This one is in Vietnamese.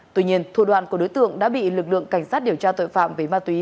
tuy nhiên thủ đoạn của đối tượng đã bị lực lượng cảnh sát điều tra tội phạm về ma túy